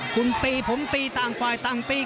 คุณตีผมตีต่างฝ่ายต่างปี